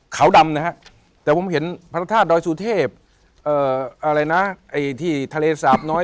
ขาวดำนะฮะแต่ผมเห็นพระธาตุดอยสุเทพเอ่ออะไรนะไอ้ที่ทะเลสาบน้อย